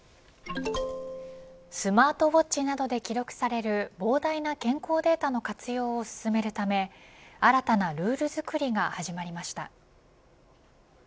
スマートウォッチなどで記録される膨大な健康データの活用を進めるため新たなルール作りが始まりました。